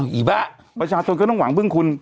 อีบ้าประชาชนก็ต้องหวังพึ่งคุณ